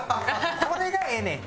これがええねん。